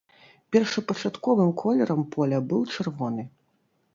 Першапачатковым колерам поля быў чырвоны.